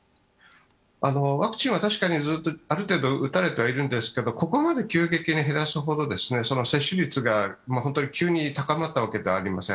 ワクチンは確かにある程度は打たれてはいるんですがここまで急激に減らすほど接種率が本当に急に高まったわけではありません。